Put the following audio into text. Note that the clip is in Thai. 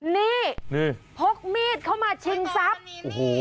นี่พกมีดเข้ามาชิงทรัพย์